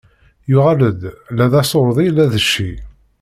Yuɣal-d, la d aṣuṛdi, la d cci.